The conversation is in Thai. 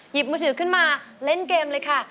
หยิบมอเที่ยวขึ้นมาเล่นเกมเลยค่ะ